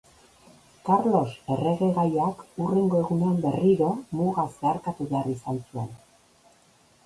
Karlos erregegaiak hurrengo egunean berriro muga zeharkatu behar izan zuen.